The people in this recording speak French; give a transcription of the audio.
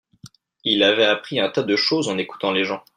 Il avait appris un tas de choses en écoutant les gens.